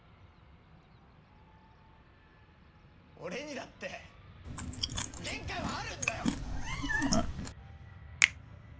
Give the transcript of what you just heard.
俺にだって限界はあるんだよ！